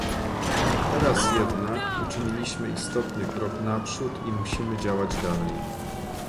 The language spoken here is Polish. Teraz jednak uczyniliśmy istotny krok naprzód i musimy działać dalej